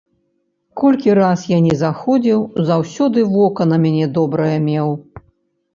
Колькі раз я ні заходзіў, заўсёды вока на мяне добрае меў.